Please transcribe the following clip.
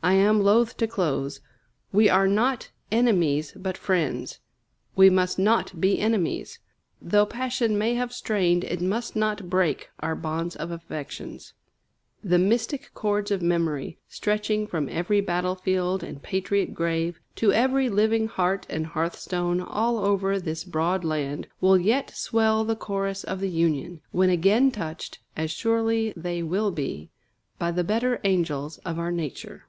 I am loath to close. We are not enemies, but friends. We must not be enemies. Though passion may have strained, it must not break, our bonds of affections. The mystic cords of memory, stretching from every battlefield and patriot grave to every living heart and hearthstone all over this broad land, will yet swell the chorus of the Union, when again touched, as surely they will be, by the better angels of our nature.